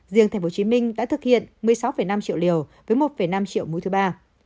riêng tp hcm đã thực hiện một mươi sáu năm triệu liều với một năm triệu mũi thứ ba